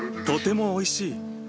とてもおいしい。